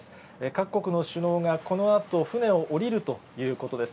各国の首脳がこのあと、船を降りるということです。